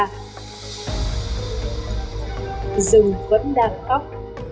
rừng vẫn đang khóc